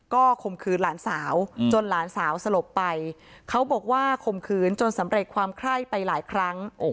ก็ข่มขืนหลานสาวจนหลานสาวสลบไปเขาบอกว่าข่มขืนจนสำเร็จความไคร้ไปหลายครั้ง